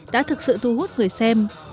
đã thực sự thu hút người xem